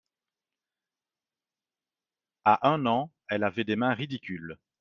À un an, elle avait des mains ridicules.